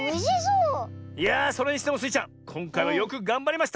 いやそれにしてもスイちゃんこんかいはよくがんばりました！